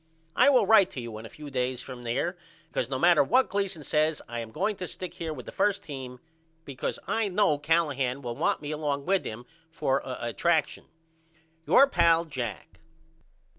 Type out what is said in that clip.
I will write to you in a few days from here because no matter what Gleason says I am going to stick here with the 1st team because I know Callahan will want me along with him for a attraction. Your pal, JACK.